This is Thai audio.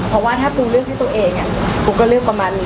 เพราะว่าถ้าคุณเลือกให้ตัวเองคุณก็เลือกประมาณนี้